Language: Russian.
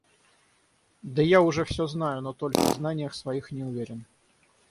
Да я уже всё знаю, но только в знаниях своих не уверен.